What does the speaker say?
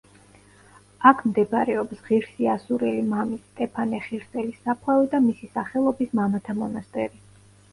აქ მდებარეობს ღირსი ასურელი მამის სტეფანე ხირსელის საფლავი და მისი სახელობის მამათა მონასტერი.